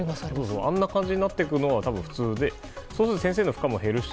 あんな感じになっていくのは普通でそうすると先生の負荷も減るし。